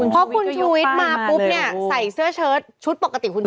อ๋อเพราะคุณชุวิตมาปุ๊บเนี่ยใส่เสื้อเชิดชุดปกติคุณชุวิต